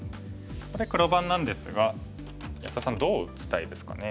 ここで黒番なんですが安田さんどう打ちたいですかね。